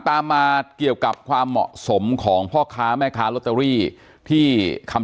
อ๋อเจ้าสีสุข่าวของสิ้นพอได้ด้วย